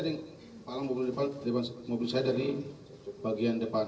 dia menghalang mobil saya dari bagian depan